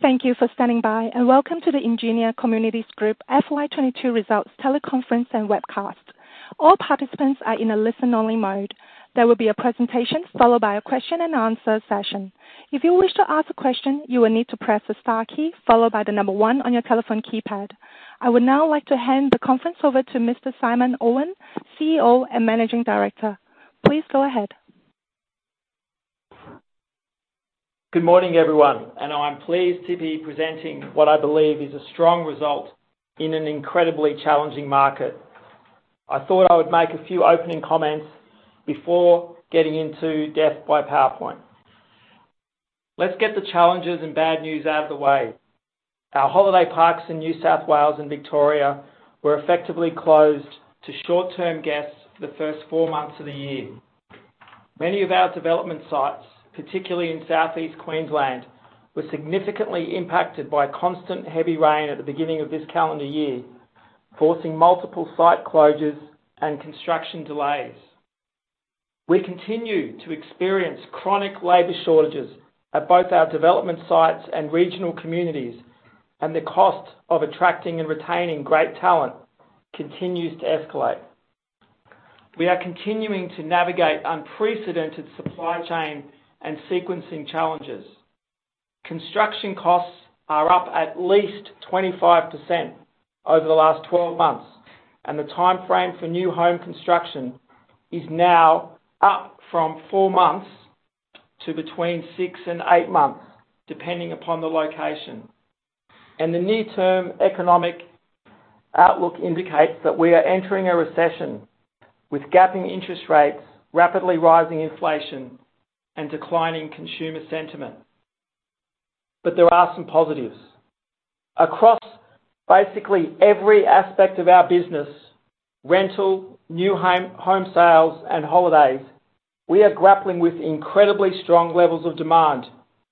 Thank you for standing by, and welcome to the Ingenia Communities Group FY 2022 results teleconference and wWebcast. All participants are in a listen-only mode. There will be a presentation followed by a question-and-answer session. If you wish to ask a question, you will need to press the star key followed by the number one on your telephone keypad. I would now like to hand the conference over to Mr. Simon Owen, CEO and Managing Director. Please go ahead. Good morning, everyone, and I'm pleased to be presenting what I believe is a strong result in an incredibly challenging market. I thought I would make a few opening comments before getting into depth by PowerPoint. Let's get the challenges and bad news out of the way. Our holiday parks in New South Wales and Victoria were effectively closed to short-term guests for the first four months of the year. Many of our development sites, particularly in Southeast Queensland, were significantly impacted by constant heavy rain at the beginning of this calendar year, forcing multiple site closures and construction delays. We continue to experience chronic labor shortages at both our development sites and regional communities, and the cost of attracting and retaining great talent continues to escalate. We are continuing to navigate unprecedented supply chain and sequencing challenges. Construction costs are up at least 25% over the last 12 months, and the timeframe for new home construction is now up from four months to between six and eight months, depending upon the location. The near-term economic outlook indicates that we are entering a recession with rising interest rates, rapidly rising inflation, and declining consumer sentiment. There are some positives. Across basically every aspect of our business, rental, new home sales, and holidays, we are grappling with incredibly strong levels of demand,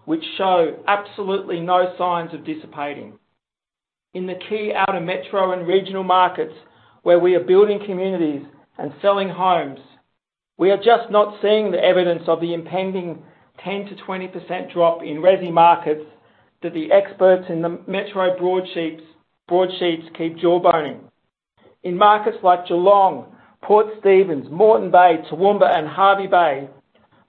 which show absolutely no signs of dissipating. In the key outer metro and regional markets where we are building communities and selling homes, we are just not seeing the evidence of the impending 10%-20% drop in resi markets that the experts in the metro broadsheets keep jawboning. In markets like Geelong, Port Stephens, Moreton Bay, Toowoomba, and Hervey Bay,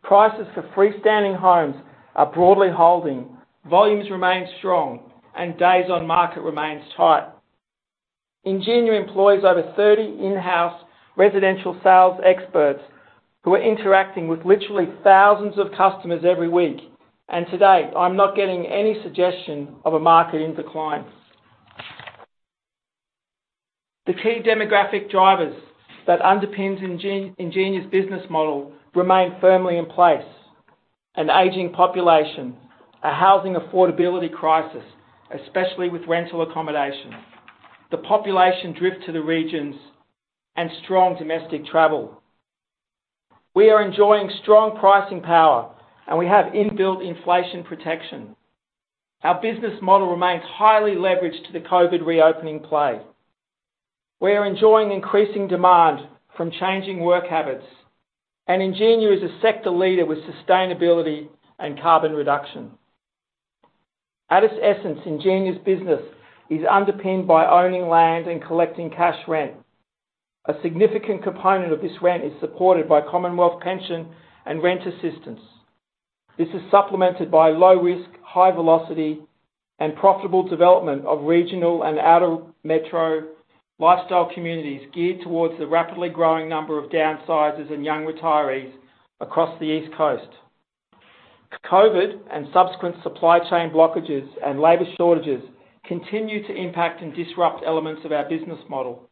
prices for freestanding homes are broadly holding, volumes remain strong, and days on market remains tight. Ingenia employs over 30 in-house residential sales experts who are interacting with literally thousands of customers every week, and today, I'm not getting any suggestion of a market in decline. The key demographic drivers that underpins Ingenia's business model remain firmly in place. An aging population, a housing affordability crisis, especially with rental accommodation, the population drift to the regions, and strong domestic travel. We are enjoying strong pricing power, and we have inbuilt inflation protection. Our business model remains highly leveraged to the COVID reopening play. We are enjoying increasing demand from changing work habits, and Ingenia is a sector leader with sustainability and carbon reduction. At its essence, Ingenia's business is underpinned by owning land and collecting cash rent. A significant component of this rent is supported by Commonwealth pension and rent assistance. This is supplemented by low risk, high velocity, and profitable development of regional and outer metro lifestyle communities geared towards the rapidly growing number of downsizers and young retirees across the East Coast. COVID and subsequent supply chain blockages and labor shortages continue to impact and disrupt elements of our business model.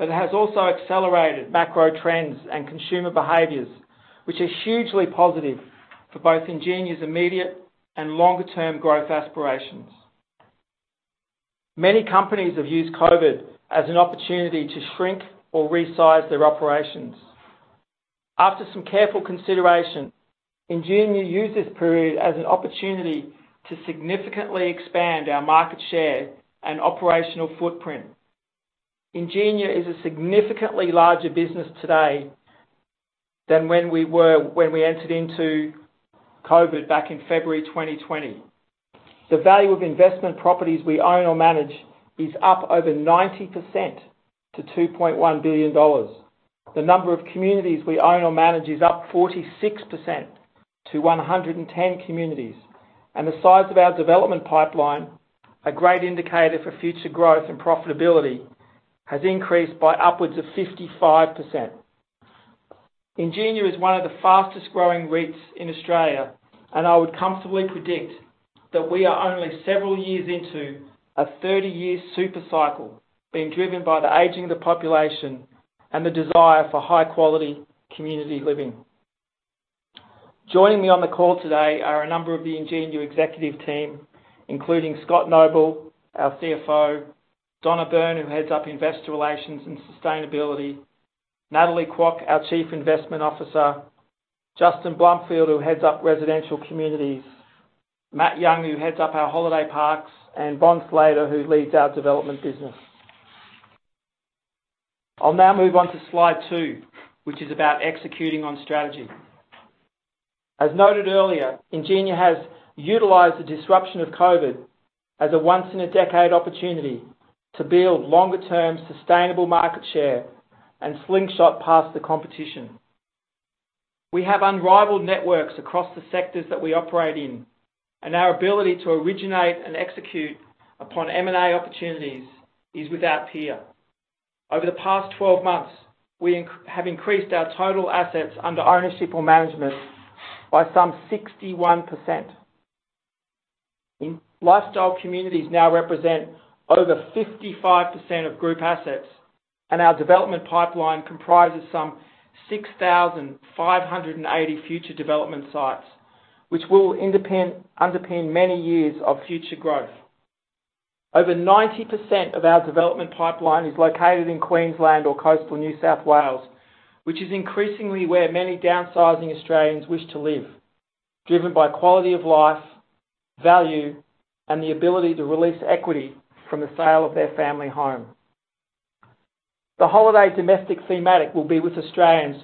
It has also accelerated macro trends and consumer behaviors, which are hugely positive for both Ingenia's immediate and longer-term growth aspirations. Many companies have used COVID as an opportunity to shrink or resize their operations. After some careful consideration, Ingenia used this period as an opportunity to significantly expand our market share and operational footprint. Ingenia is a significantly larger business today than when we entered into COVID back in February 2020. The value of investment properties we own or manage is up over 90% to 2.1 billion dollars. The number of communities we own or manage is up 46% to 110 communities. The size of our development pipeline, a great indicator for future growth and profitability, has increased by upwards of 55%. Ingenia is one of the fastest-growing REITs in Australia, and I would comfortably predict that we are only several years into a 30-year super cycle being driven by the aging of the population and the desire for high-quality community living. Joining me on the call today are a number of the Ingenia executive team, including Scott Noble, our CFO, Donna Byrne, who heads up investor relations and sustainability, Natalie Kwok, our chief investment officer, Justin Blomfield, who heads up residential communities, Matt Young, who heads up our holiday parks, and Von Slater, who leads our development business. I'll now move on to slide 2, which is about executing on strategy. As noted earlier, Ingenia has utilized the disruption of COVID as a once-in-a-decade opportunity to build longer-term sustainable market share and slingshot past the competition. We have unrivaled networks across the sectors that we operate in, and our ability to originate and execute upon M&A opportunities is without peer. Over the past 12 months, we have increased our total assets under ownership or management by some 61%. Lifestyle communities now represent over 55% of group assets, and our development pipeline comprises some 6,580 future development sites, which will underpin many years of future growth. Over 90% of our development pipeline is located in Queensland or coastal New South Wales, which is increasingly where many downsizing Australians wish to live, driven by quality of life, value, and the ability to release equity from the sale of their family home. The holiday domestic thematic will be with Australians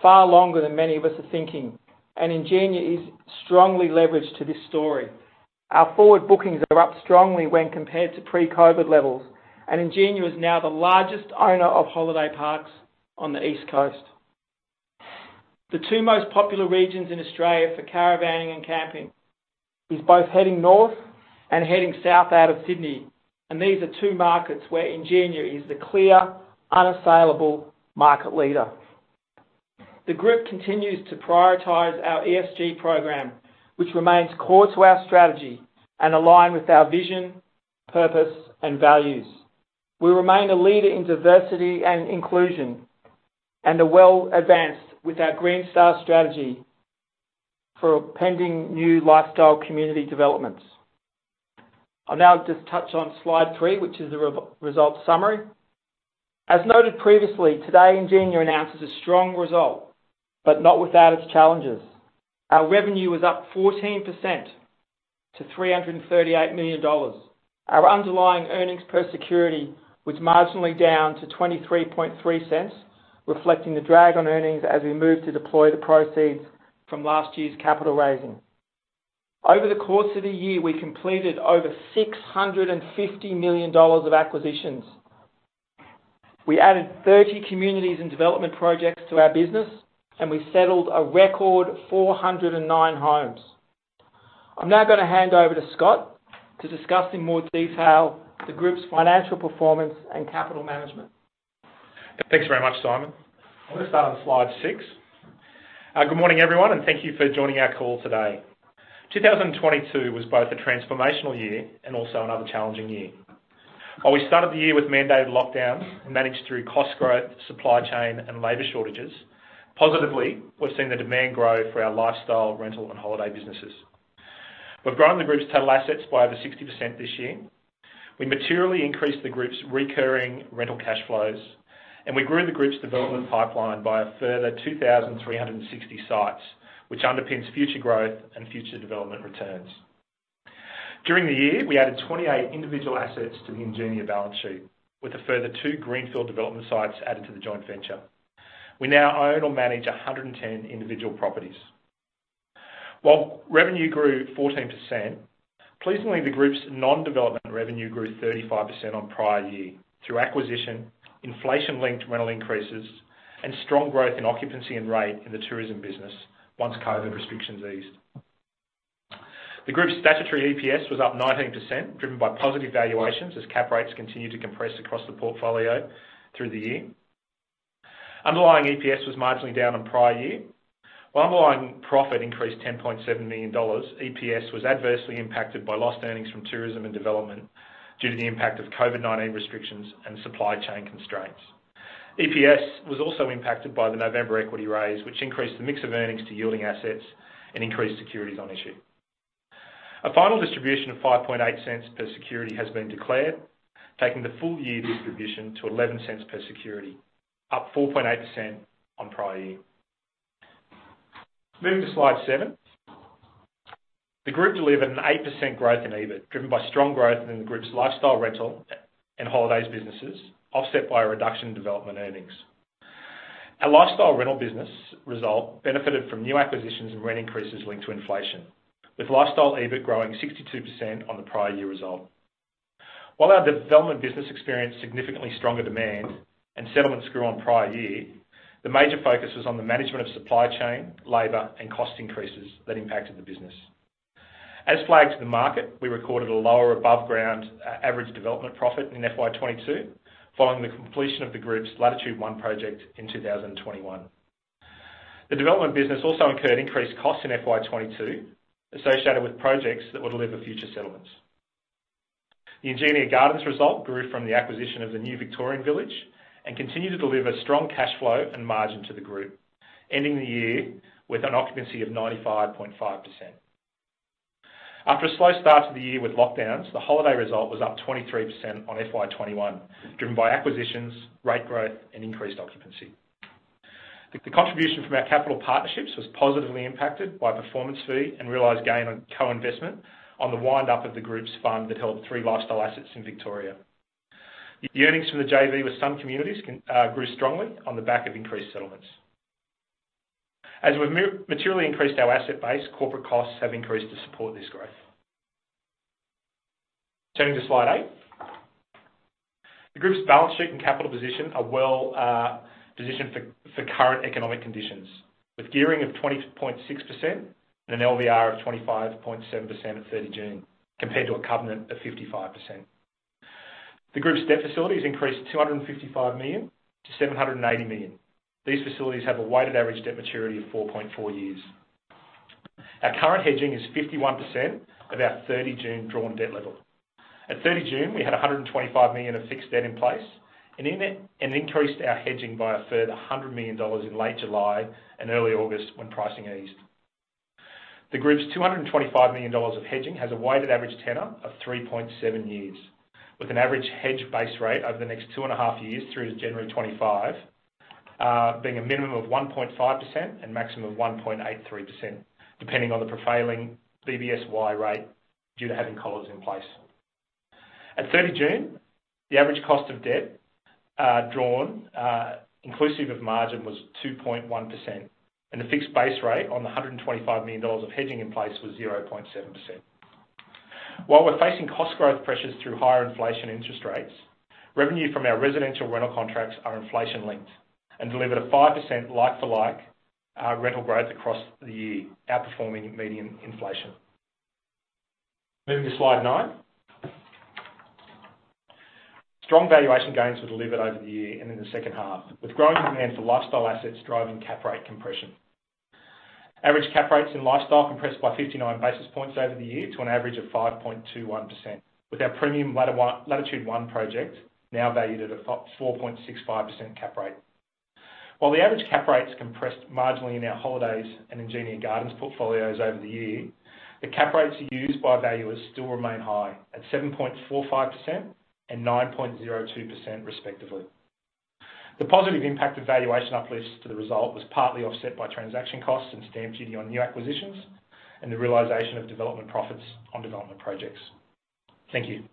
far longer than many of us are thinking, and Ingenia is strongly leveraged to this story. Our forward bookings are up strongly when compared to pre-COVID levels, and Ingenia is now the largest owner of holiday parks on the East Coast. The two most popular regions in Australia for caravanning and camping is both heading north and heading south out of Sydney, and these are two markets where Ingenia is the clear, unassailable market leader. The group continues to prioritize our ESG program, which remains core to our strategy and aligned with our vision, purpose, and values. We remain a leader in diversity and inclusion and are well advanced with our Green Star strategy for pending new lifestyle community developments. I'll now just touch on slide 3, which is the result summary. As noted previously, today Ingenia announces a strong result, but not without its challenges. Our revenue was up 14% to 338 million dollars. Our underlying earnings per security was marginally down to 0.233, reflecting the drag on earnings as we move to deploy the proceeds from last year's capital raising. Over the course of the year, we completed over 650 million dollars of acquisitions. We added 30 communities and development projects to our business, and we settled a record 409 homes. I'm now going to hand over to Scott to discuss in more detail the group's financial performance and capital management. Thanks very much, Simon. I'm going to start on slide 6. Good morning, everyone, and thank you for joining our call today. 2022 was both a transformational year and also another challenging year. While we started the year with mandated lockdowns and managed through cost growth, supply chain, and labor shortages, positively, we're seeing the demand grow for our lifestyle, rental, and holiday businesses. We've grown the group's total assets by over 60% this year. We materially increased the group's recurring rental cash flows, and we grew the group's development pipeline by a further 2,360 sites, which underpins future growth and future development returns. During the year, we added 28 individual assets to the Ingenia balance sheet with a further two greenfield development sites added to the joint venture. We now own or manage 110 individual properties. While revenue grew 14%, pleasingly the group's non-development revenue grew 35% on prior year through acquisition, inflation-linked rental increases, and strong growth in occupancy and rate in the tourism business once COVID restrictions eased. The group's statutory EPS was up 19%, driven by positive valuations as cap rates continued to compress across the portfolio through the year. Underlying EPS was marginally down on prior year. While underlying profit increased 10.7 million dollars, EPS was adversely impacted by lost earnings from tourism and development due to the impact of COVID-19 restrictions and supply chain constraints. EPS was also impacted by the November equity raise, which increased the mix of earnings to yielding assets and increased securities on issue. A final distribution of 0.058 per security has been declared, taking the full year distribution to 0.11 per security, up 4.8% on prior year. Moving to slide 7. The group delivered an 8% growth in EBIT, driven by strong growth in the group's lifestyle rental and holidays businesses, offset by a reduction in development earnings. Our lifestyle rental business result benefited from new acquisitions and rent increases linked to inflation, with lifestyle EBIT growing 62% on the prior year result. While our development business experienced significantly stronger demand and settlements grew on prior year, the major focus was on the management of supply chain, labor, and cost increases that impacted the business. As flagged to the market, we recorded a lower above ground average development profit in FY 2022, following the completion of the group's Latitude One project in 2021. The development business also incurred increased costs in FY 2022 associated with projects that will deliver future settlements. The Ingenia Gardens result grew from the acquisition of the new Victorian village and continued to deliver strong cash flow and margin to the group, ending the year with an occupancy of 95.5%. After a slow start to the year with lockdowns, the holiday result was up 23% on FY 2021, driven by acquisitions, rate growth, and increased occupancy. The contribution from our capital partnerships was positively impacted by performance fee and realized gain on co-investment on the wind-up of the group's fund that held three lifestyle assets in Victoria. The earnings from the JV with some communities grew strongly on the back of increased settlements. As we've materially increased our asset base, corporate costs have increased to support this growth. Turning to slide 8. The group's balance sheet and capital position are well positioned for current economic conditions, with gearing of 20.6% and an LVR of 25.7% at June 30, compared to a covenant of 55%. The group's debt facility has increased 255 million to 780 million. These facilities have a weighted average debt maturity of 4.4 years. Our current hedging is 51% of our June 30, drawn debt level. At June 30, we had 125 million of fixed debt in place and increased our hedging by a further 100 million dollars in late July and early August when pricing eased. The group's 225 million dollars of hedging has a weighted average tenor of 3.7 years, with an average hedge base rate over the next 2.5 years through to January 2025 being a minimum of 1.5% and maximum of 1.83%, depending on the prevailing BBSY rate due to having collars in place. At June 30, the average cost of debt drawn inclusive of margin was 2.1%, and the fixed base rate on the 125 million dollars of hedging in place was 0.7%. While we're facing cost growth pressures through higher inflation interest rates, revenue from our residential rental contracts are inflation-linked and delivered a 5% like-for-like rental growth across the year, outperforming median inflation. Moving to slide 9. Strong valuation gains were delivered over the year and in the second half, with growing demand for lifestyle assets driving cap rate compression. Average cap rates in lifestyle compressed by 59 basis points over the year to an average of 5.21%, with our premium Latitude One project now valued at a 4.65% cap rate. While the average cap rates compressed marginally in our holidays and Ingenia Gardens portfolios over the year, the cap rates used by valuers still remain high, at 7.45% and 9.02% respectively. The positive impact of valuation uplifts to the result was partly offset by transaction costs and stamp duty on new acquisitions and the realization of development profits on development projects. Thank you.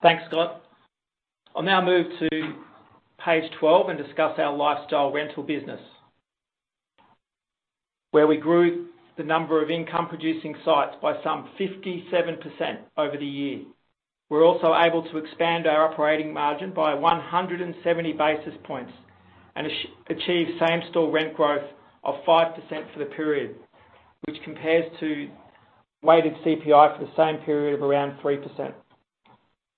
Thanks, Scott. I'll now move to page 12 and discuss our lifestyle rental business, where we grew the number of income-producing sites by some 57% over the year. We're also able to expand our operating margin by 170 basis points and achieve same-store rent growth of 5% for the period, which compares to weighted CPI for the same period of around 3%.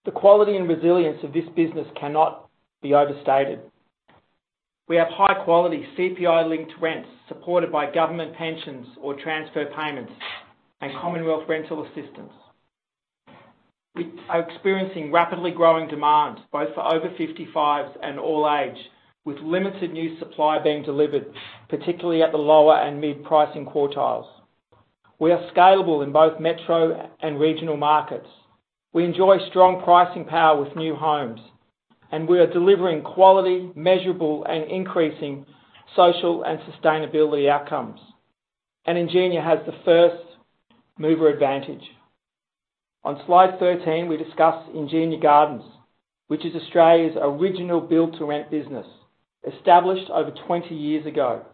The quality and resilience of this business cannot be overstated. We have high quality CPI-linked rents supported by government pensions or transfer payments and Commonwealth rental assistance. We are experiencing rapidly growing demand, both for over 55 years and all age, with limited new supply being delivered, particularly at the lower and mid-pricing quartiles. We are scalable in both metro and regional markets. We enjoy strong pricing power with new homes, and we are delivering quality, measurable, and increasing social and sustainability outcomes, and Ingenia has the first mover advantage. On slide 13, we discuss Ingenia Gardens, which is Australia's original build-to-rent business, established over 20 years ago.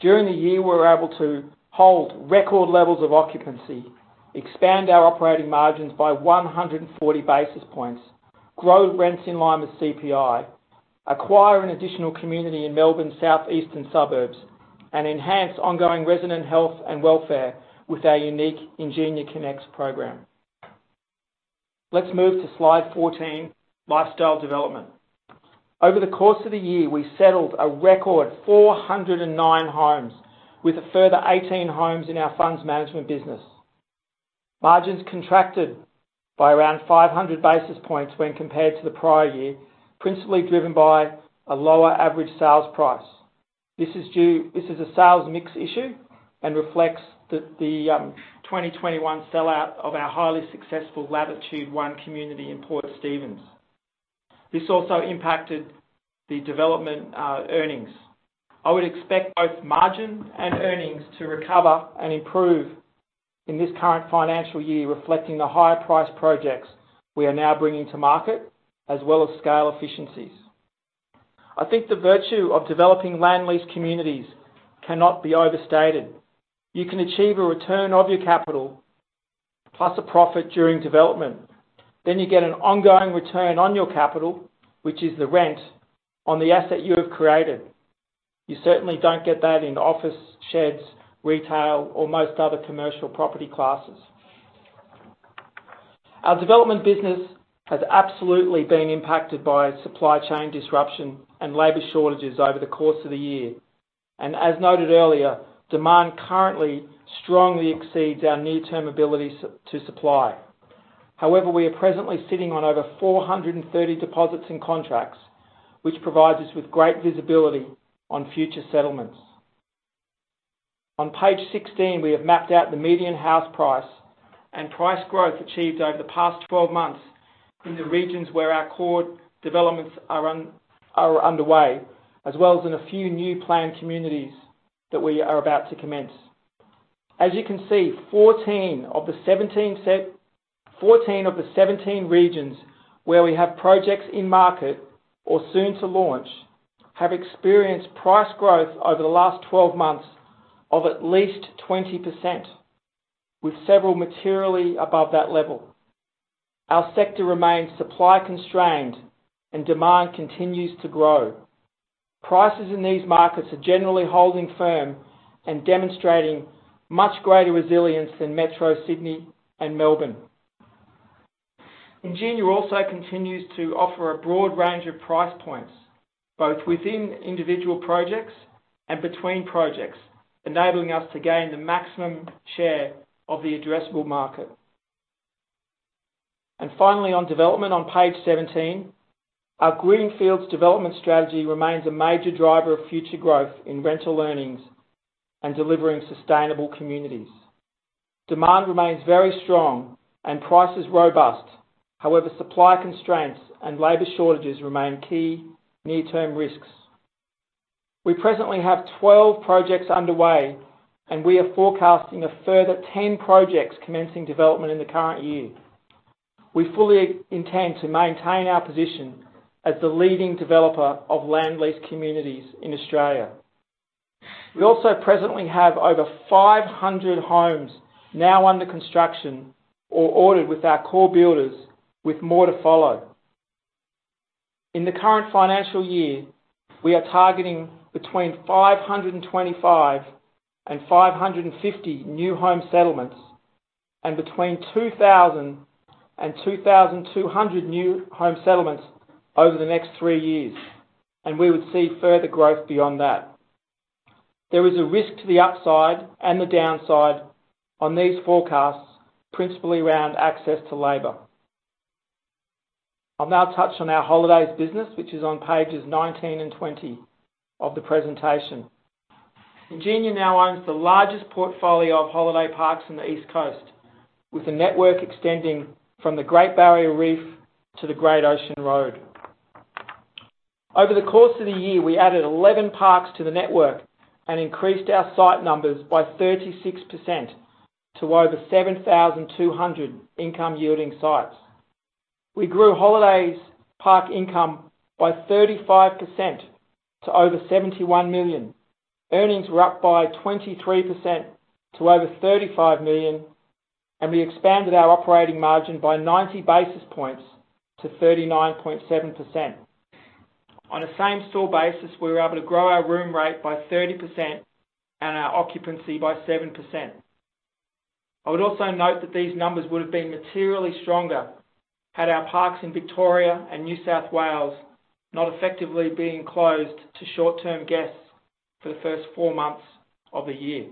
During the year, we were able to hold record levels of occupancy, expand our operating margins by 140 basis points, grow rents in line with CPI, acquire an additional community in Melbourne southeastern suburbs, and enhance ongoing resident health and welfare with our unique Ingenia Connect program. Let's move to slide 14, lifestyle development. Over the course of the year, we settled a record 409 homes with a further 18 homes in our funds management business. Margins contracted by around 500 basis points when compared to the prior year, principally driven by a lower average sales price. This is a sales mix issue and reflects the 2021 sellout of our highly successful Latitude One community in Port Stephens. This also impacted the development earnings. I would expect both margin and earnings to recover and improve in this current financial year, reflecting the higher price projects we are now bringing to market, as well as scale efficiencies. I think the virtue of developing land lease communities cannot be overstated. You can achieve a return of your capital, plus a profit during development. Then you get an ongoing return on your capital, which is the rent on the asset you have created. You certainly don't get that in office sheds, retail, or most other commercial property classes. Our development business has absolutely been impacted by supply chain disruption and labor shortages over the course of the year. As noted earlier, demand currently strongly exceeds our near-term ability to supply. However, we are presently sitting on over 430 deposits and contracts, which provides us with great visibility on future settlements. On page 16, we have mapped out the median house price and price growth achieved over the past 12 months in the regions where our core developments are underway, as well as in a few new planned communities that we are about to commence. As you can see, 14 of the 17 regions where we have projects in market or soon to launch have experienced price growth over the last 12 months of at least 20%, with several materially above that level. Our sector remains supply-constrained and demand continues to grow. Prices in these markets are generally holding firm and demonstrating much greater resilience than Metro Sydney and Melbourne. Ingenia also continues to offer a broad range of price points, both within individual projects and between projects, enabling us to gain the maximum share of the addressable market. Finally, on development on page 17, our greenfields development strategy remains a major driver of future growth in rental earnings and delivering sustainable communities. Demand remains very strong and prices robust. However, supply constraints and labor shortages remain key near-term risks. We presently have 12 projects underway, and we are forecasting a further 10 projects commencing development in the current year. We fully intend to maintain our position as the leading developer of land lease communities in Australia. We also presently have over 500 homes now under construction or ordered with our core builders, with more to follow. In the current financial year, we are targeting between 525 and 550 new home settlements, and between 2,000 and 2,200 new home settlements over the next three years, and we would see further growth beyond that. There is a risk to the upside and the downside on these forecasts, principally around access to labor. I'll now touch on our holiday business, which is on pages 19 and 20 of the presentation. Ingenia now owns the largest portfolio of holiday parks on the East Coast, with a network extending from the Great Barrier Reef to the Great Ocean Road. Over the course of the year, we added 11 parks to the network and increased our site numbers by 36% to over 7,200 income-yielding sites. We grew holiday parks income by 35% to over 71 million. Earnings were up by 23% to over 35 million, and we expanded our operating margin by 90 basis points to 39.7%. On a same-store basis, we were able to grow our room rate by 30% and our occupancy by 7%. I would also note that these numbers would have been materially stronger had our parks in Victoria and New South Wales not effectively being closed to short-term guests for the first four months of the year.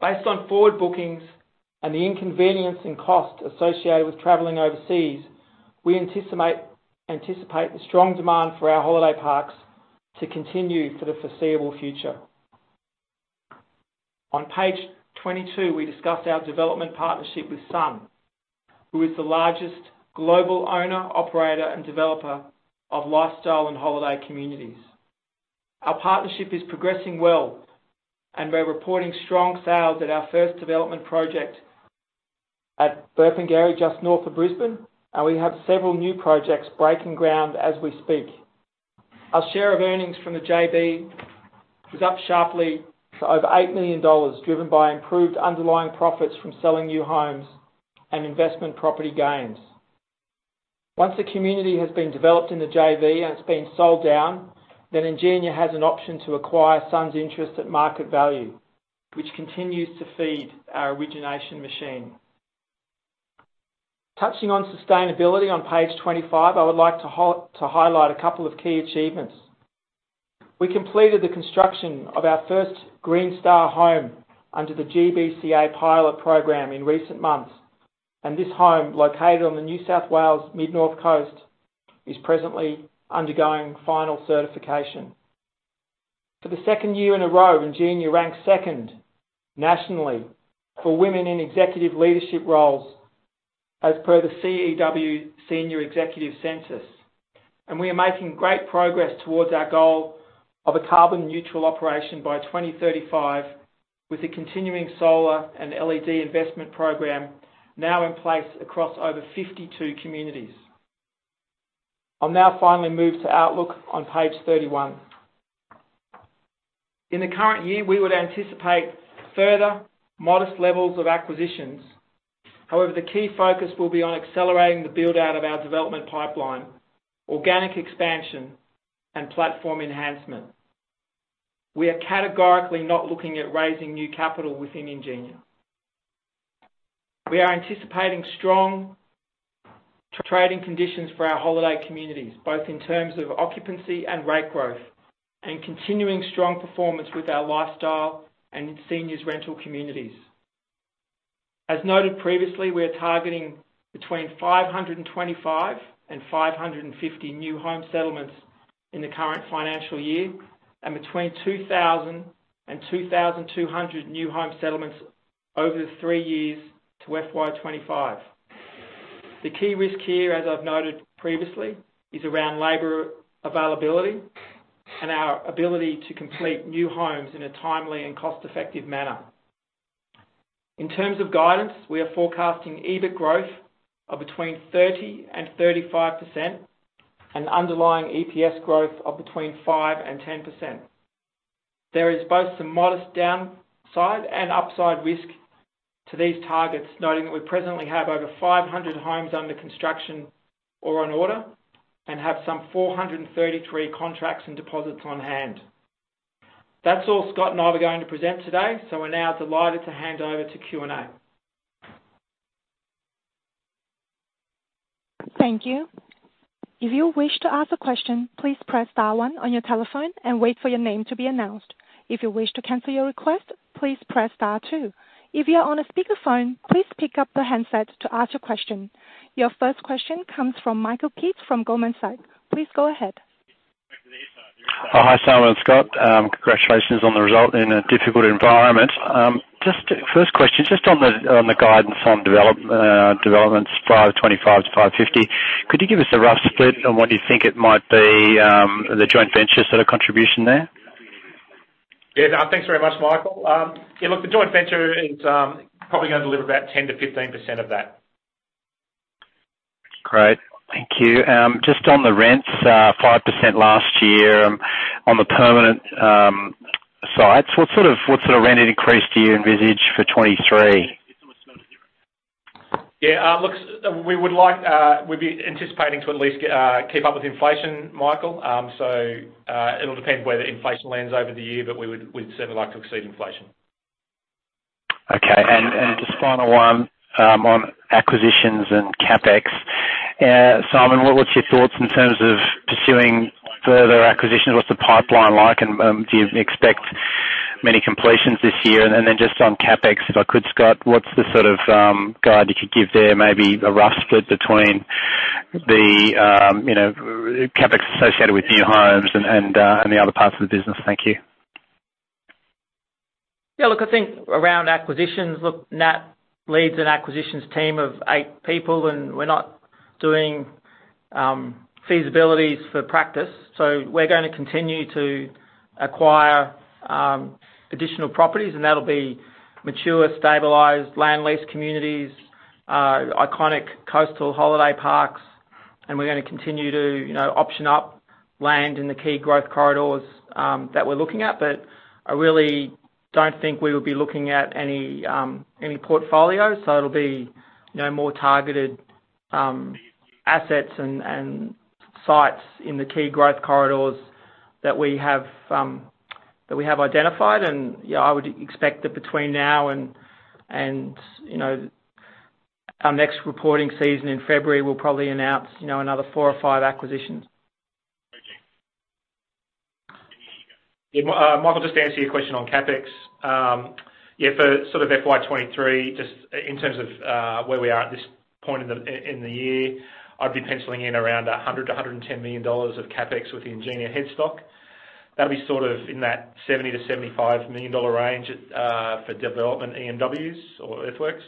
Based on forward bookings and the inconvenience and cost associated with traveling overseas, we anticipate the strong demand for our holiday parks to continue for the foreseeable future. On page 22, we discuss our development partnership with Sun, who is the largest global owner, operator, and developer of lifestyle and holiday communities. Our partnership is progressing well, and we're reporting strong sales at our first development project at Burpengary, just north of Brisbane, and we have several new projects breaking ground as we speak. Our share of earnings from the JV is up sharply to over 8 million dollars, driven by improved underlying profits from selling new homes and investment property gains. Once a community has been developed in the JV and it's been sold down, then Ingenia has an option to acquire Sun Communities' interest at market value, which continues to feed our origination machine. Touching on sustainability on page 25, I would like to highlight a couple of key achievements. We completed the construction of our first Green Star home under the GBCA pilot program in recent months, and this home, located on the New South Wales Mid-North Coast, is presently undergoing final certification. For the second year in a row, Ingenia ranked second nationally for women in executive leadership roles as per the CEW Senior Executive Census. We are making great progress towards our goal of a carbon-neutral operation by 2035, with a continuing solar and LED investment program now in place across over 52 communities. I'll now finally move to outlook on page 31. In the current year, we would anticipate further modest levels of acquisitions. However, the key focus will be on accelerating the build-out of our development pipeline, organic expansion, and platform enhancement. We are categorically not looking at raising new capital within Ingenia. We are anticipating strong trading conditions for our holiday communities, both in terms of occupancy and rate growth, and continuing strong performance with our lifestyle and seniors rental communities. As noted previously, we are targeting between 525 and 550 new home settlements in the current financial year and between 2,000 and 2,200 new home settlements over the three years to FY 2025. The key risk here, as I've noted previously, is around labor availability and our ability to complete new homes in a timely and cost-effective manner. In terms of guidance, we are forecasting EBIT growth of between 30% and 35% and underlying EPS growth of between 5% and 10%. There is both some modest downside and upside risk to these targets, noting that we presently have over 500 homes under construction or on order and have some 433 contracts and deposits on hand. That's all Scott and I were going to present today, so we're now delighted to hand over to Q&A. Thank you. If you wish to ask a question, please press star-one on your telephone and wait for your name to be announced. If you wish to cancel your request, please press star-two. If you are on a speakerphone, please pick up the handset to ask your question. Your first question comes from [Michael Kit] from Goldman Sachs. Please go ahead. Hi, Simon and Scott. Congratulations on the result in a difficult environment. Just first question, just on the guidance on developments 525-550, could you give us a rough split on what you think it might be, the joint ventures' contribution there? Yeah. Thanks very much, Michael. Yeah, look, the joint venture is probably going to deliver about 10%-15% of that. Great. Thank you. Just on the rents, 5% last year on the permanent sites, what sort of rent increase do you envisage for 2023? Yeah. Look, we would like, we'd be anticipating to at least keep up with inflation, Michael. It'll depend where the inflation lands over the year, but we'd certainly like to exceed inflation. Okay. Just final one on acquisitions and CapEx. Simon, what's your thoughts in terms of pursuing further acquisitions? What's the pipeline like and do you expect many completions this year? Just on CapEx, if I could, Scott, what's the sort of guide you could give there, maybe a rough split between the you know, CapEx associated with new homes and the other parts of the business? Thank you. Yeah, look, I think around acquisitions, look, [Natalie leads an acquisitions team of eight people, and we're not doing feasibilities for practice. We're going to continue to acquire additional properties, and that'll be mature, stabilized land lease communities, iconic coastal holiday parks, and we're going to continue to, you know, option up land in the key growth corridors that we're looking at. I really don't think we would be looking at any portfolio. It'll be, you know, more targeted assets and sites in the key growth corridors that we have identified. Yeah, I would expect that between now and, you know, our next reporting season in February, we'll probably announce, you know, another four or five acquisitions. Yeah, Michael, just to answer your question on CapEx. Yeah, for sort of FY 2023, just in terms of where we are at this point in the year, I'd be penciling in around 100-110 million dollars of CapEx with Ingenia head office. That'll be sort of in that 70 million-75 million dollar range for development EMWs or earthworks.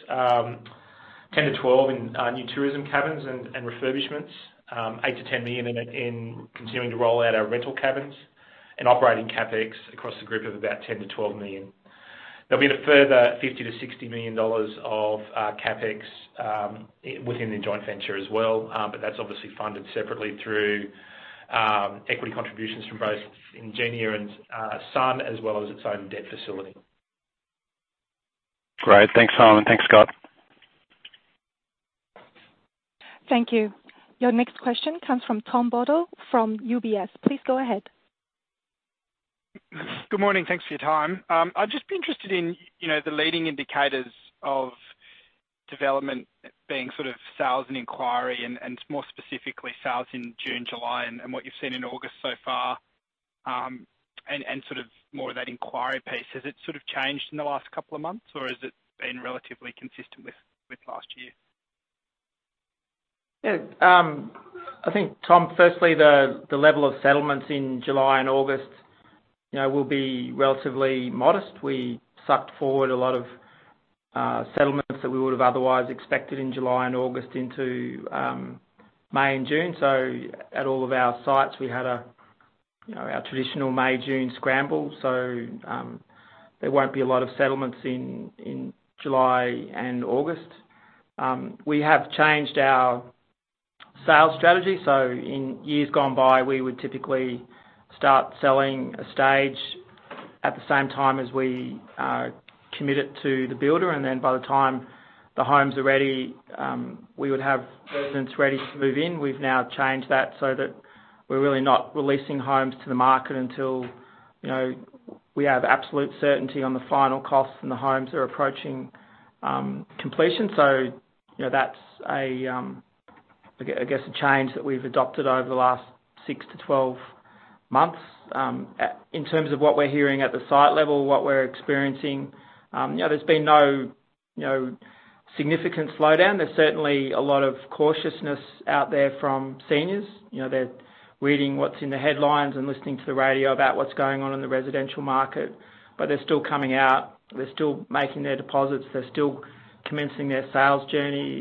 10 million-12 million in new tourism cabins and refurbishments. 8 million-10 million in continuing to roll out our rental cabins and operating CapEx across the group of about 10 million-12 million. There'll be a further 50 million-60 million dollars of CapEx within the joint venture as well. That's obviously funded separately through equity contributions from both Ingenia and Sun, as well as its own debt facility. Great. Thanks, Simon. Thanks, Scott. Thank you. Your next question comes from Tom Bodor from UBS. Please go ahead. Good morning. Thanks for your time. I'd just be interested in, you know, the leading indicators of development being sort of sales and inquiry and more specifically sales in June, July and what you've seen in August so far, and sort of more of that inquiry piece. Has it sort of changed in the last couple of months, or has it been relatively consistent with last year? Yeah. I think, Tom, firstly, the level of settlements in July and August, you know, will be relatively modest. We sucked forward a lot of settlements that we would have otherwise expected in July and August into May and June. At all of our sites, we had, you know, our traditional May, June scramble. There won't be a lot of settlements in July and August. We have changed our sales strategy. In years gone by, we would typically start selling a stage at the same time as we commit it to the builder. Then by the time the homes are ready, we would have residents ready to move in. We've now changed that so that we're really not releasing homes to the market until we have absolute certainty on the final costs, and the homes are approaching completion. That's, I guess, a change that we've adopted over the last six to 12 months. In terms of what we're hearing at the site level, what we're experiencing, there's been no significant slowdown. There's certainly a lot of cautiousness out there from seniors. They're reading what's in the headlines and listening to the radio about what's going on in the residential market. They're still coming out, they're still making their deposits, they're still commencing their sales journey.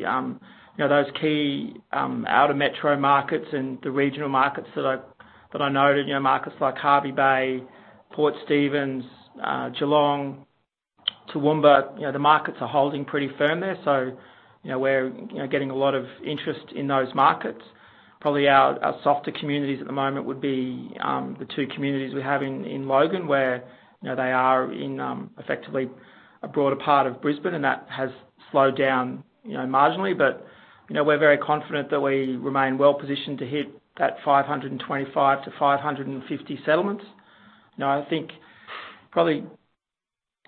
You know, those key outer metro markets and the regional markets that I noted, you know, markets like Hervey Bay, Port Stephens, Geelong, Toowoomba, you know, the markets are holding pretty firm there. You know, we're getting a lot of interest in those markets. Probably our softer communities at the moment would be the two communities we have in Logan, where, you know, they are in effectively a broader part of Brisbane, and that has slowed down, you know, marginally. You know, we're very confident that we remain well-positioned to hit that 525-550 settlements. You know, I think probably,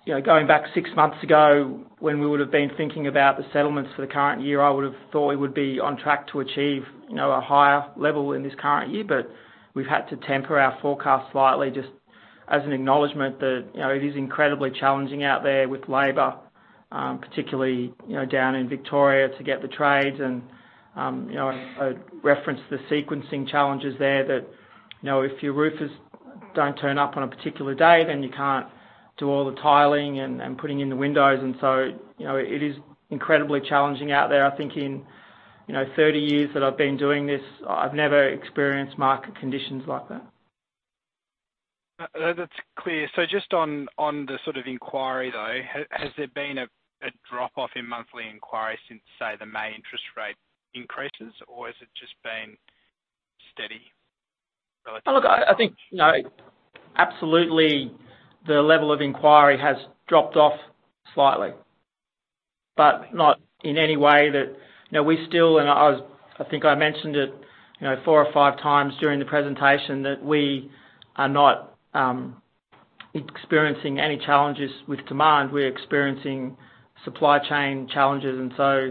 you know, going back six months ago, when we would've been thinking about the settlements for the current year, I would've thought we would be on track to achieve, you know, a higher level in this current year. We've had to temper our forecast slightly just as an acknowledgement that, you know, it is incredibly challenging out there with labor, particularly, you know, down in Victoria to get the trades and, you know, I reference the sequencing challenges there that, you know, if your roofers don't turn up on a particular day, then you can't do all the tiling and putting in the windows and so, you know, it is incredibly challenging out there. I think in, you know, 30 years that I've been doing this, I've never experienced market conditions like that. That's clear. Just on the sort of inquiry, though, has there been a drop-off in monthly inquiries since, say, the main interest rate increases, or has it just been steady relatively? Look, I think, you know, absolutely the level of inquiry has dropped off slightly, but not in any way that. You know, we still, I think I mentioned it, you know, four or five times during the presentation, that we are not experiencing any challenges with demand. We're experiencing supply chain challenges, and so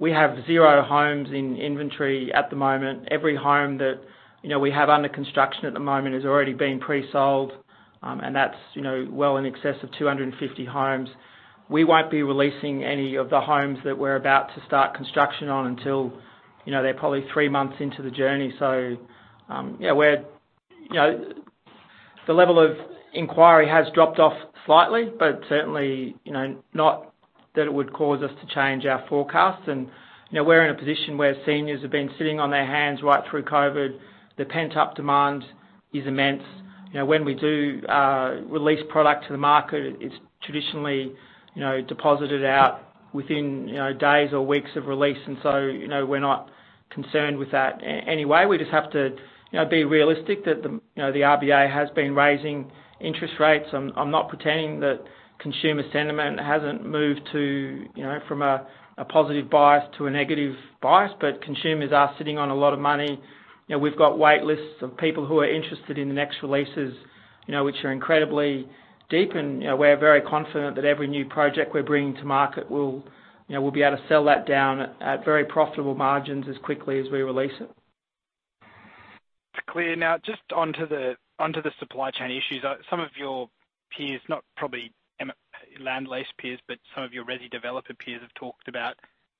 we have zero homes in inventory at the moment. Every home that, you know, we have under construction at the moment has already been pre-sold, and that's, you know, well in excess of 250 homes. We won't be releasing any of the homes that we're about to start construction on until, you know, they're probably three months into the journey. The level of inquiry has dropped off slightly, but certainly, you know, not that it would cause us to change our forecast. We're in a position where seniors have been sitting on their hands right through COVID. The pent-up demand is immense. You know, when we do release product to the market, it's traditionally, you know, deposited out within, you know, days or weeks of release. You know, we're not concerned with that any way. We just have to, you know, be realistic that the, you know, the RBA has been raising interest rates. I'm not pretending that consumer sentiment hasn't moved to, you know, from a positive bias to a negative bias, but consumers are sitting on a lot of money. You know, we've got wait lists of people who are interested in the next releases, you know, which are incredibly deep and, you know, we're very confident that every new project we're bringing to market, we'll, you know, we'll be able to sell that down at very profitable margins as quickly as we release it. It's clear. Now, just onto the supply chain issues. Some of your peers, not probably land lease peers, but some of your resi developer peers have talked about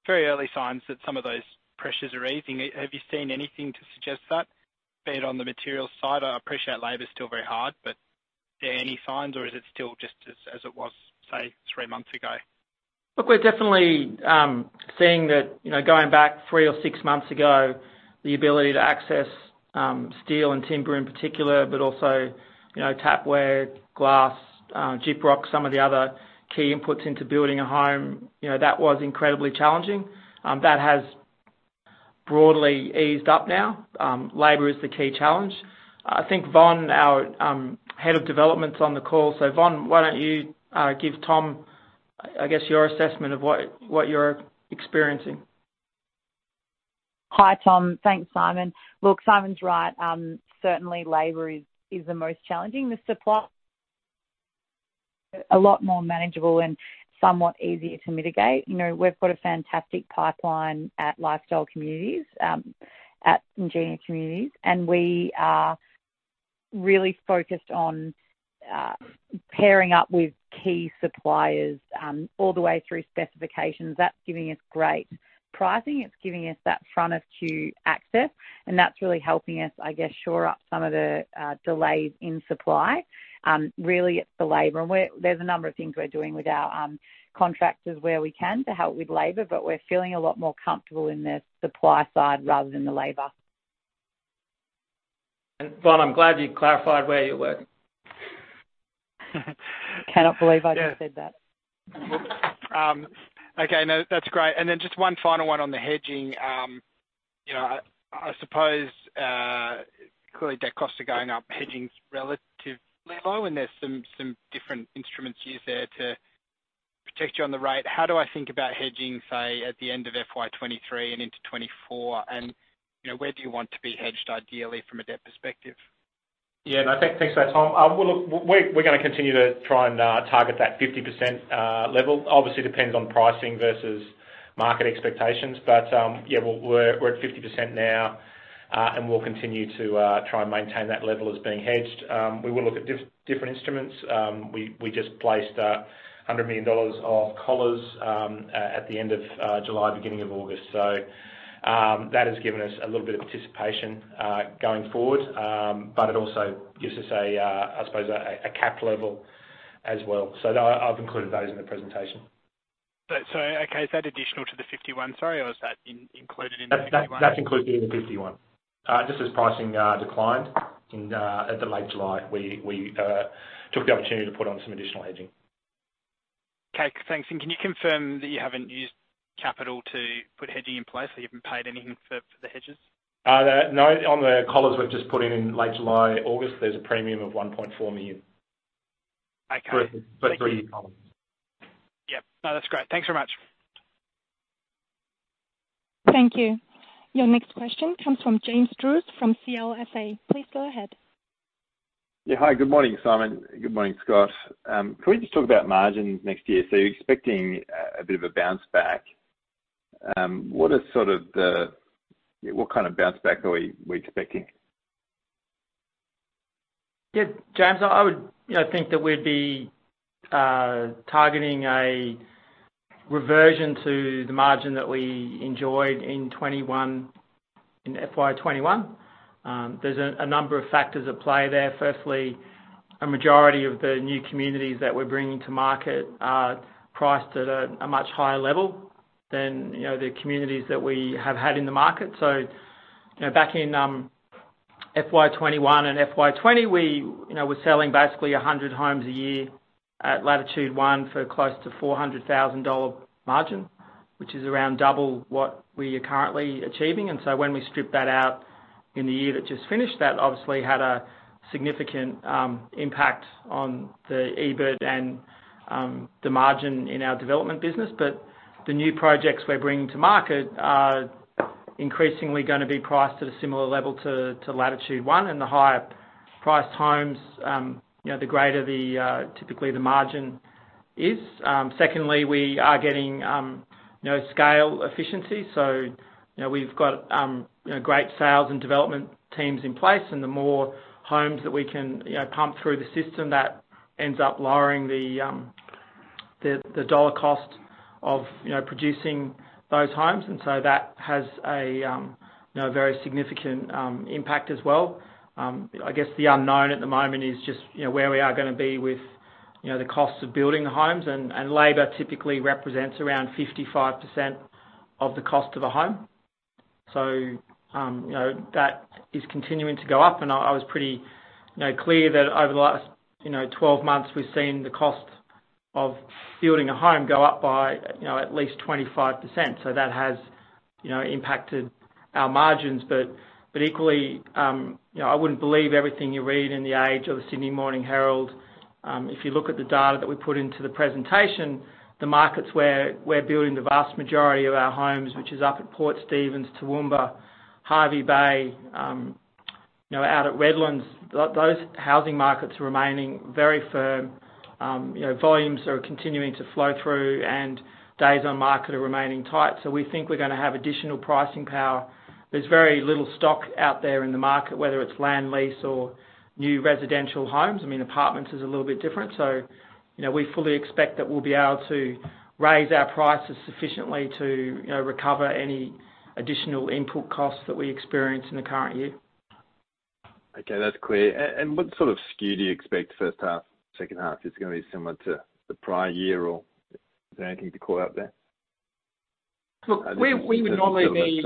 very early signs that some of those pressures are easing. Have you seen anything to suggest that, be it on the material side? I appreciate labor's still very hard, but are there any signs or is it still just as it was, say, three months ago? Look, we're definitely seeing that, you know, going back three or six months ago, the ability to access steel and timber in particular, but also, you know, tapware, glass, gyprock, some of the other key inputs into building a home, you know, that was incredibly challenging. That has broadly eased up now. Labor is the key challenge. I think Von, our Head of Development's on the call. So Von, why don't you give Tom, I guess, your assessment of what you're experiencing. Hi, Tom. Thanks, Simon. Look, Simon's right. Certainly labor is the most challenging. The supply a lot more manageable and somewhat easier to mitigate. You know, we've got a fantastic pipeline at Ingenia Lifestyle, at Ingenia Communities, and we are really focused on pairing up with key suppliers all the way through specifications. That's giving us great pricing. It's giving us that front-of-queue access, and that's really helping us, I guess, shore up some of the delays in supply. Really it's the labor. There's a number of things we're doing with our contractors where we can to help with labor, but we're feeling a lot more comfortable in the supply side rather than the labor. Von, I'm glad you clarified where you work. Cannot believe I just said that. Yeah. Okay. No, that's great. Just one final one on the hedging. You know, I suppose clearly debt costs are going up, hedging's relatively low, and there's some different instruments used there to protect you on the rate. How do I think about hedging, say, at the end of FY 2023 and into 2024? You know, where do you want to be hedged ideally from a debt perspective? Yeah. No, thanks for that, Tom. Well, look, we're going to continue to try and target that 50% level. Obviously depends on pricing versus market expectations, but yeah, we're at 50% now, and we'll continue to try and maintain that level as being hedged. We will look at different instruments. We just placed 100 million dollars of collars at the end of July, beginning of August. That has given us a little bit of participation going forward. It also gives us, I suppose, a cap level as well. I've included those in the presentation. Okay, sorry, or is that included in the 51%? That's included in the 51%. Just as pricing declined in late July, we took the opportunity to put on some additional hedging. Okay, thanks. Can you confirm that you haven't used capital to put hedging in place, so you haven't paid anything for the hedges? On the collars we've just put in in late July, August, there's a premium of 1.4 million for three years' columns. Yep. No, that's great. Thanks so much. Thank you. Your next question comes from James Druce from CLSA. Please go ahead. Yeah. Hi, good morning, Simon. Good morning, Scott. Can we just talk about margins next year? You're expecting a bit of a bounce back. What kind of bounce back are we expecting? Yeah, James, I would, you know, think that we'd be targeting a reversion to the margin that we enjoyed in FY 2021. There's a number of factors at play there. Firstly, a majority of the new communities that we're bringing to market are priced at a much higher level than, you know, the communities that we have had in the market. So, you know, back in FY 2021 and FY 2020, we, you know, were selling basically 100 homes a year at Latitude One for close to 400,000 dollar margin, which is around double what we are currently achieving. When we strip that out in the year that just finished, that obviously had a significant impact on the EBIT and the margin in our development business. The new projects we're bringing to market are increasingly going to be priced at a similar level to Latitude One. The higher priced homes, the greater the typically the margin is. Secondly, we are getting scale efficiency. We've got great sales and development teams in place, and the more homes that we can pump through the system, that ends up lowering the dollar cost of producing those homes. That has a very significant impact as well. I guess the unknown at the moment is just where we are going to be with the cost of building the homes. Labor typically represents around 55% of the cost of a home. You know, that is continuing to go up. I was pretty, you know, clear that over the last 12 months, we've seen the cost of building a home go up by at least 25%. That has, you know, impacted our margins. Equally, you know, I wouldn't believe everything you read in The Age or The Sydney Morning Herald. If you look at the data that we put into the presentation, the markets where we're building the vast majority of our homes, which is up at Port Stephens, Toowoomba, Hervey Bay, you know, out at Redlands, those housing markets are remaining very firm. You know, volumes are continuing to flow through and days on market are remaining tight. We think we're going to have additional pricing power. There's very little stock out there in the market, whether it's land lease or new residential homes. I mean, apartments is a little bit different. You know, we fully expect that we'll be able to raise our prices sufficiently to, you know, recover any additional input costs that we experience in the current year. Okay. That's clear. What sort of skew do you expect first half, second half? Is it going to be similar to the prior year, or is there anything to call out there? Look, we would normally be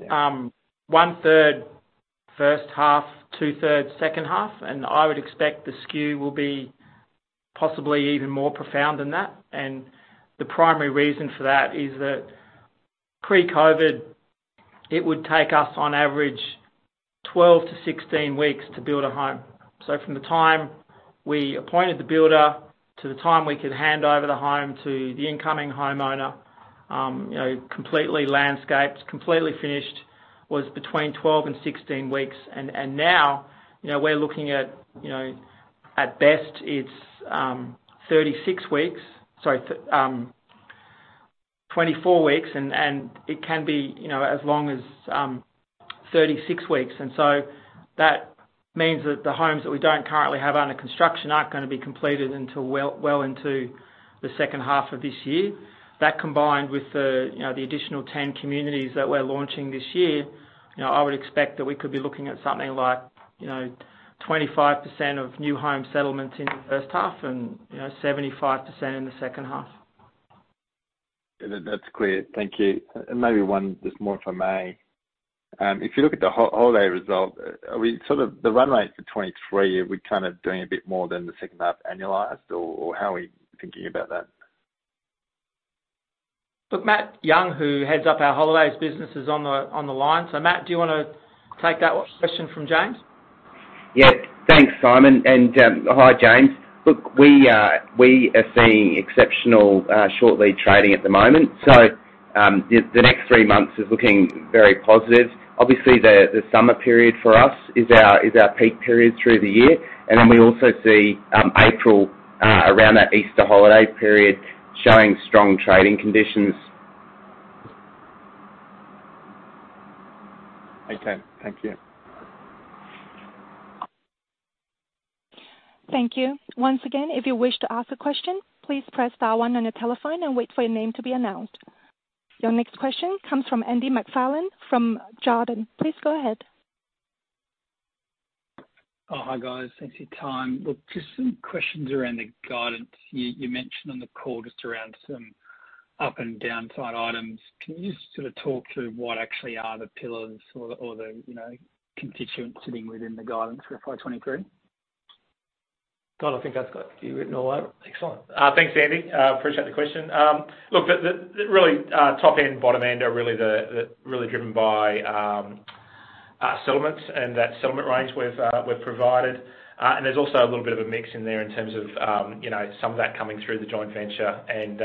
1/3 first half, 2/3 second half, and I would expect the skew will be possibly even more profound than that. The primary reason for that is that pre-COVID, it would take us on average 12-16 weeks to build a home. From the time we appointed the builder to the time we could hand over the home to the incoming homeowner, you know, completely landscaped, completely finished, was between 12 and 16 weeks. Now, you know, we're looking at, you know, at best it's 24 weeks and it can be, you know, as long as 36 weeks. That means that the homes that we don't currently have under construction aren't going to be completed until well into the second half of this year. That combined with the, you know, the additional 10 communities that we're launching this year, you know, I would expect that we could be looking at something like, you know, 25% of new home settlements in the first half and, you know, 75% in the second half. That's clear. Thank you. Maybe just one more, if I may. If you look at the Holiday result, are we sort of at the run rate for 2023, are we kind of doing a bit more than the second half annualized, or how are we thinking about that? Look, Matt Young, who heads up our Holidays business, is on the line. Matt, do you want to take that question from James? Yeah, thanks, Simon. Hi, James. Look, we are seeing exceptional short lead trading at the moment. The next three months is looking very positive. Obviously, the summer period for us is our peak period through the year. Then we also see April around that Easter holiday period showing strong trading conditions. Okay, thank you. Thank you. Once again, if you wish to ask a question, please press star-one on your telephone and wait for your name to be announced. Your next question comes from Andy McFarlane from Jarden. Please go ahead. Oh, hi, guys. Thanks for your time. Look, just some questions around the guidance. You mentioned on the call just around some up and downside items. Can you just sort of talk to what actually are the pillars or the, you know, constituents sitting within the guidance for FY 2023? Scott, I think that's got you written all over it. Excellent. Thanks, Andy. I appreciate the question. Look, the really top-end, bottom-end are really driven by settlements and that settlement range we've provided. There's also a little bit of a mix in there in terms of, you know, some of that coming through the joint venture and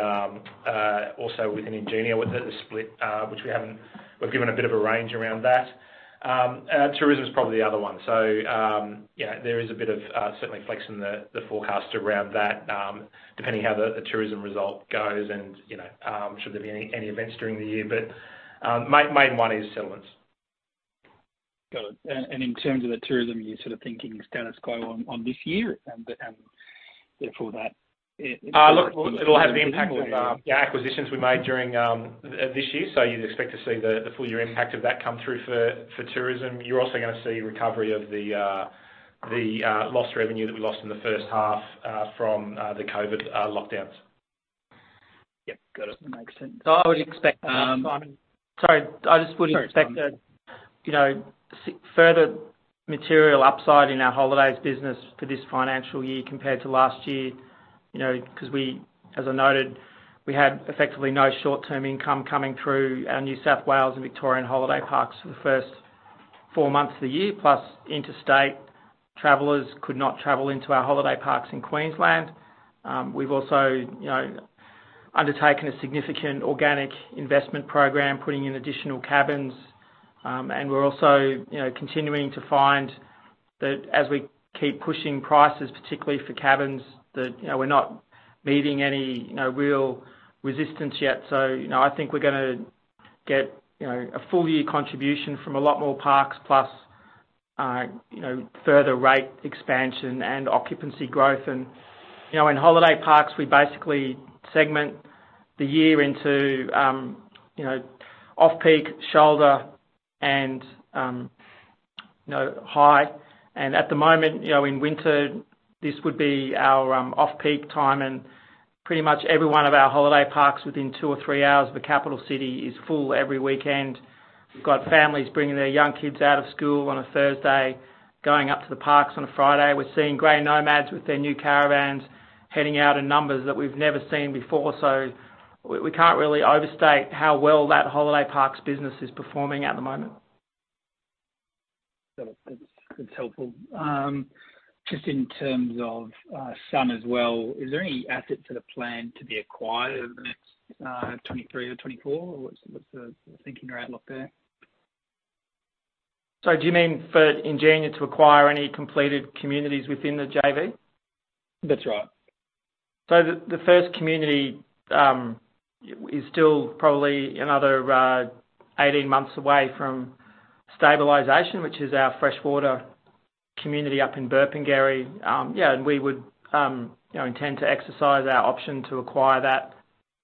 also within Ingenia with the split. We've given a bit of a range around that. Tourism is probably the other one. You know, there is a bit of certainly flex in the forecast around that, depending how the tourism result goes and, you know, should there be any events during the year. Main one is settlements. Got it. In terms of the tourism, you're sort of thinking status quo on this year. Look, it'll have an impact on acquisitions we made during this year, so you'd expect to see the full year impact of that come through for tourism. You're also going to see recovery of the lost revenue that we lost in the first half from the COVID lockdowns. Yep, got it. Makes sense. I would expect further material upside in our holidays business for this financial year compared to last year. You know, because we, as I noted, we had effectively no short-term income coming through our New South Wales and Victorian holiday parks for the first four months of the year, plus interstate travelers could not travel into our holiday parks in Queensland. We've also, you know, undertaken a significant organic investment program, putting in additional cabins, and we're also, you know, continuing to find that as we keep pushing prices, particularly for cabins, that, you know, we're not meeting any, you know, real resistance yet. You know, I think we're going to get, you know, a full year contribution from a lot more parks, plus, you know, further rate expansion and occupancy growth. You know, in holiday parks, we basically segment the year into, you know, off-peak, shoulder, and, you know, high. At the moment, you know, in winter, this would be our off-peak time, and pretty much every one of our holiday parks within two or three hours of a capital city is full every weekend. We've got families bringing their young kids out of school on a Thursday, going up to the parks on a Friday. We're seeing gray nomads with their new caravans heading out in numbers that we've never seen before. We can't really overstate how well that holiday parks business is performing at the moment. Got it. That's helpful. Just in terms of Sun as well, is there any assets that are planned to be acquired over the next 2023 or 2024? What's the thinking or outlook there? Do you mean for Ingenia to acquire any completed communities within the JV? That's right. The first community is still probably another 18 months away from stabilization, which is our Freshwater community up in Burpengary. Yeah, and we would, you know, intend to exercise our option to acquire that.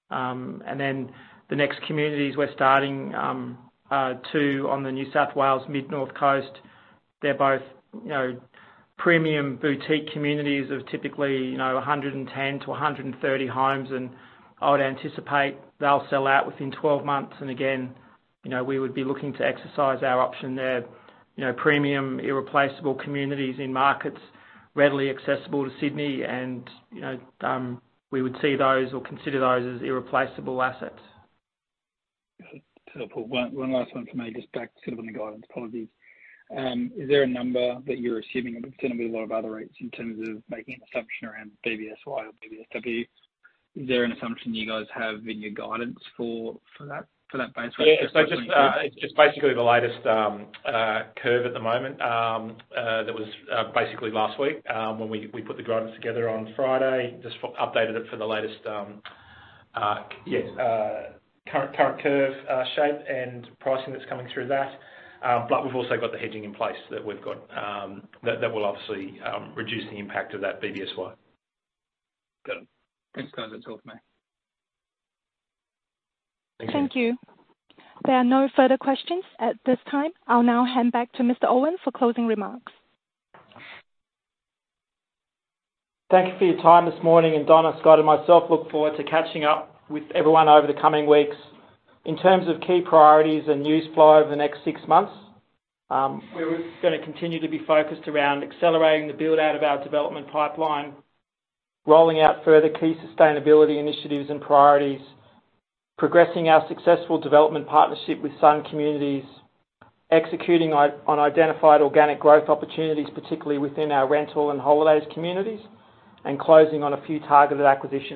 And then the next communities, we're starting two on the New South Wales Mid North Coast. They're both, you know, premium boutique communities of typically, you know, 110-130 homes, and I would anticipate they'll sell out within 12 months. Again, you know, we would be looking to exercise our option there. You know, premium, irreplaceable communities in markets readily accessible to Sydney and, you know, we would see those or consider those as irreplaceable assets. Got it. That's helpful. One last one for me, just back sort of on the guidance part of this. Is there a number that you're assuming there's going to be a lot of other rates in terms of making an assumption around BBSY or BBSW? Is there an assumption you guys have in your guidance for that base rate? It's just basically the latest curve at the moment that was basically last week when we put the guidance together on Friday, updated it for the latest current curve shape and pricing that's coming through that. We've also got the hedging in place that we've got that will obviously reduce the impact of that BBSY. Got it. Thanks, guys. That's all from me. Thank you. Thank you. There are no further questions at this time. I'll now hand back to Mr. Owen for closing remarks. Thank you for your time this morning, and Donna, Scott, and myself look forward to catching up with everyone over the coming weeks. In terms of key priorities and news flow over the next six months, we're going to continue to be focused around accelerating the build-out of our development pipeline, rolling out further key sustainability initiatives and priorities, progressing our successful development partnership with Sun Communities, executing on identified organic growth opportunities, particularly within our rental and holiday communities, and closing on a few targeted acquisitions.